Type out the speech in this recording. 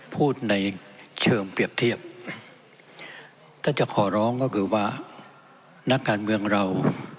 พูดในเชิงเปรียบเทียบถ้าจะขอร้องก็คือว่านักการเมืองเรา